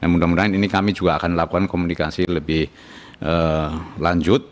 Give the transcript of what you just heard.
mudah mudahan ini kami juga akan melakukan komunikasi lebih lanjut